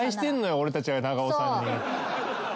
俺たちは長尾さんに。